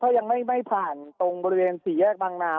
เขายังไม่ผ่านตรงบริเวณสี่แยกบางนา